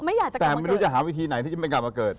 อยากจะแต่ไม่รู้จะหาวิธีไหนที่จะไม่กลับมาเกิด